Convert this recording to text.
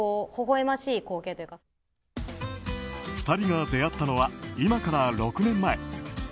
２人が出会ったのは今から６年前。